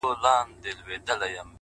د ټپې په رزم اوس هغه ده پوه سوه’